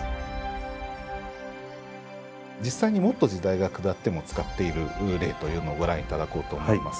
実際にもっと時代が下っても使っている例というのをご覧頂こうと思います。